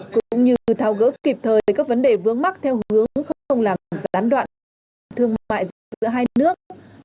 cũng như thao gỡ kịp thời các vấn đề vướng mắt theo hướng không làm gián đoạn thương mại giữa hai nước